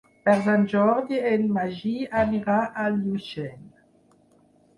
Per Sant Jordi en Magí anirà a Llutxent.